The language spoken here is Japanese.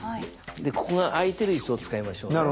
ここが空いてる椅子を使いましょうね。